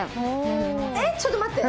えっちょっと待って。